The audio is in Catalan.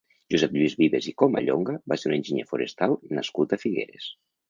Josep Lluís Vives i Comallonga va ser un enginyer forestal nascut a Figueres.